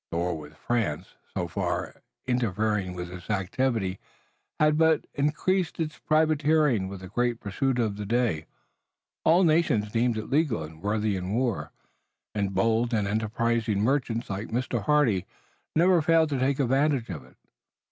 The war with France, so far from interfering with this activity, had but increased it. Privateering was a great pursuit of the day, all nations deeming it legal and worthy in war, and bold and enterprising merchants like Mr. Hardy never failed to take advantage of it.